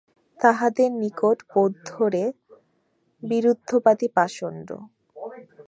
তাহাদের নিকট বৌদ্ধেরা বিরুদ্ধবাদী পাষণ্ড।